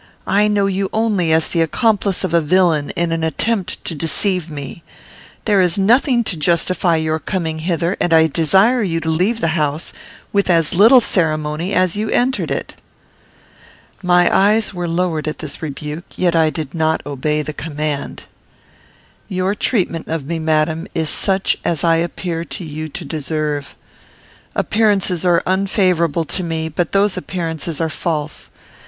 I know you only as the accomplice of a villain in an attempt to deceive me. There is nothing to justify your coming hither, and I desire you to leave the house with as little ceremony as you entered it." My eyes were lowered at this rebuke, yet I did not obey the command. "Your treatment of me, madam, is such as I appear to you to deserve. Appearances are unfavourable to me, but those appearances are false.